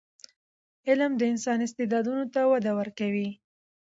علم د انسان استعدادونو ته وده ورکوي.